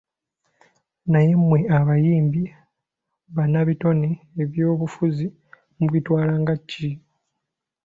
Naye mwe abayimbi bannabitone ebyobufuzi mubitwala nga ki?